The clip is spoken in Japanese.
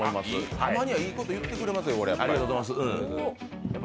たまには、いいこと言ってくれますよ、やっぱり。